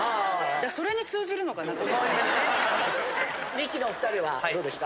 ミキのお２人はどうでした？